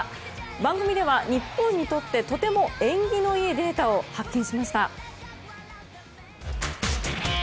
番組では、日本にとってとても縁起のいいデータを発見しました。